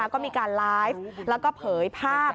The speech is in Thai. ก็มีการไลฟ์แล้วก็เผยภาพ